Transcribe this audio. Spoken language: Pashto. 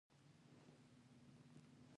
د علمي لیکنو په څېر دلیل راوړلو ته اړتیا نه لري.